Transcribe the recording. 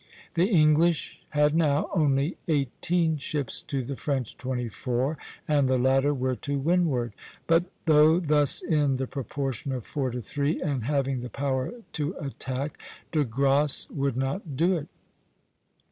The English had now only eighteen ships to the French twenty four, and the latter were to windward; but though thus in the proportion of four to three, and having the power to attack, De Grasse would not do it.